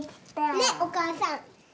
ねっお母さん。